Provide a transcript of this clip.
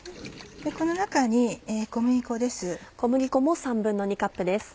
この中に小麦粉です。